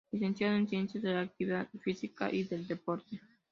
Licenciado en Ciencias de la Actividad Física y del Deporte.